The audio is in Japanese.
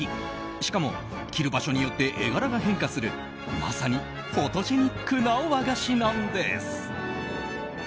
しかも切る場所によって絵柄が変化するまさにフォトジェニックな和菓子なんです。